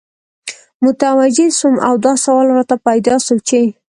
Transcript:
متوجه سوم او دا سوال راته پیدا سو چی